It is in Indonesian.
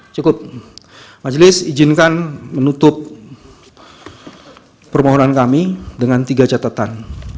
cukup majelis izinkan menutup permohonan kami dengan tiga catatan